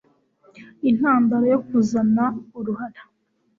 intandaro yo kuzana uruhara.